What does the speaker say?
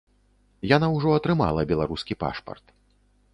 Яна ўжо атрымала беларускі пашпарт.